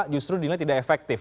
justru di inilah tidak efektif